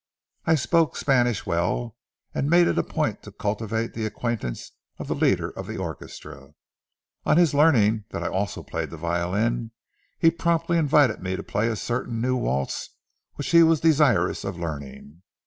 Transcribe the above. I spoke Spanish well, and made it a point to cultivate the acquaintance of the leader of the orchestra. On his learning that I also played the violin, he promptly invited me to play a certain new waltz which he was desirous of learning.